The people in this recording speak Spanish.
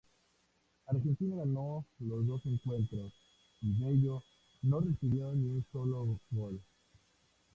Argentina ganó los dos encuentros, y Bello no recibió ni un solo gol.